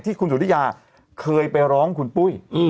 คุณสุธิยาเคยไปร้องคุณปุ้ย